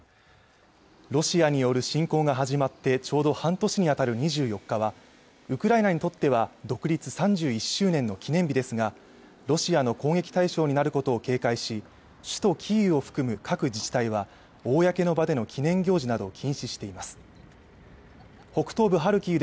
ロシアによる侵攻が始まってちょうど半年にあたる２４日はウクライナにとっては独立３１周年の記念日ですがロシアの攻撃対象になることを警戒し首都キーウを含む各自治体は公の場での記念行事などを禁止しています